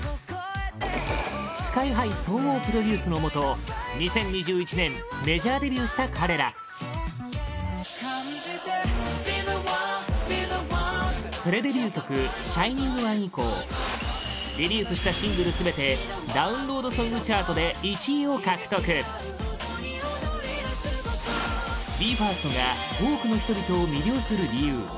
ＳＫＹ‐ＨＩ 総合プロデュースのもと２０２１年メジャーデビューした彼ら「感じて Ｂｅｔｈｅｏｎｅ」プレデビュー曲「ＳｈｉｎｉｎｇＯｎｅ」以降リリースしたシングル全てダウンロードソングチャートで１位を獲得 ＢＥ：ＦＩＲＳＴ が多くの人々を魅了する理由